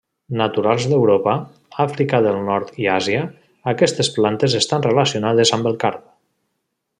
Naturals d'Europa, Àfrica del Nord i Àsia, aquestes plantes estan relacionades amb el card.